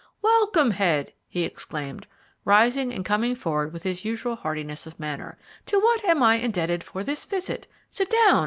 "Welcome, Head," he exclaimed, rising and coming forward with his usual heartiness of manner. "To what am I indebted for this visit? Sit down.